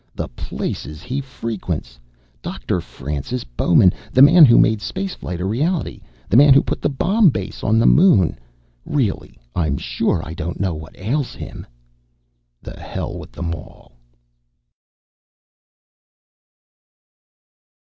The places he frequents. Doctor Francis Bowman, the man who made space flight a reality. The man who put the Bomb Base on the Moon! Really, I'm sure I don't know what ails him." The hell with them all.